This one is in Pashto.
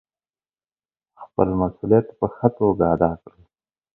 خپل مسوولیت په ښه توګه ادا کړئ.